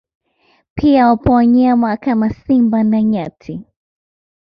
Pia wapo wanyama kama Simba na nyati